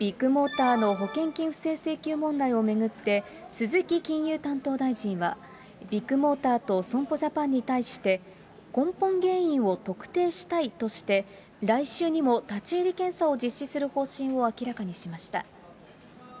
ビッグモーターの保険金不正請求問題を巡って、鈴木金融担当大臣は、ビッグモーターと損保ジャパンに対して、根本原因を特定したいとして、来週にも立ち入り検査を実施する方針を明らかにしました。